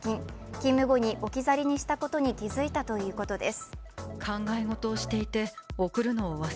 勤務後に置き去りにしたことに気づいたということです。